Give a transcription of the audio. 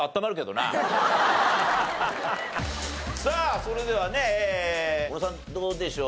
さあそれではね小野さんどうでしょう？